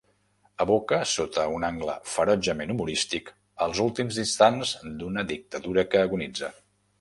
Evoca, sota un angle ferotgement humorístic, els últims instants d'una dictadura que agonitza.